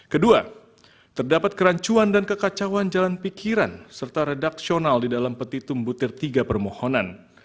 kedua terdapat kerancuan dan kekacauan jalan pikiran serta redaksional di dalam petitum butir tiga permohonan